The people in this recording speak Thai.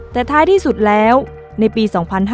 แต่ท้ายที่สุดแล้วในปี๒๕๕๙